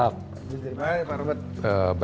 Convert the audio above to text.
baik pak robert